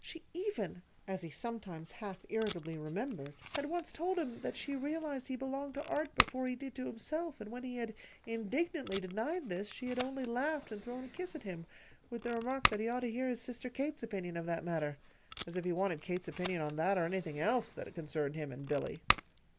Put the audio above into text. She even as he sometimes half irritably remembered had once told him that she realized he belonged to Art before he did to himself; and when he had indignantly denied this, she had only laughed and thrown a kiss at him, with the remark that he ought to hear his sister Kate's opinion of that matter. As if he wanted Kate's opinion on that or anything else that concerned him and Billy!